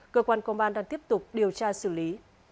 cơ quan công an đang tiếp tục điều tra xử lý